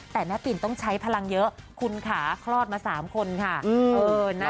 แต่แม่ปิ่นต้องใช้พลังเยอะคุณค่ะคลอดมา๓คนค่ะ